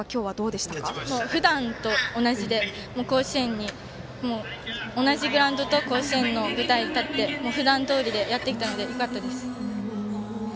でも、ふだんと同じで同じグラウンドと甲子園の舞台に立って普段どおりでやってきたのでよかったです。